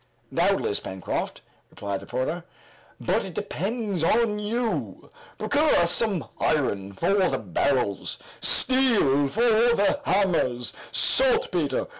"Doubtless, Pencroft," replied the reporter, "but it depends on you. Procure us some iron for the barrels, steel for the hammers, saltpeter.